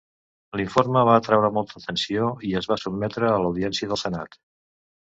L'informe va atraure molta atenció, i es va sotmetre a l'audiència del senat.